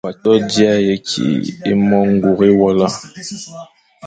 Wa to dia ye kî e mo ñgura awela ?